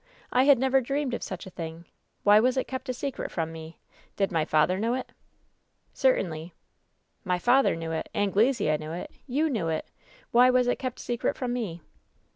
I had never dreamed of such a thing! Why was it kept a secret from me? Did piy father know it ?" "Certainly." "My father knew it ! Anglesea knew it ! You knew it ! Why was it kept secret from me